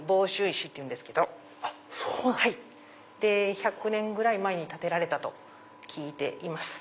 １００年ぐらい前に建てられたと聞いています。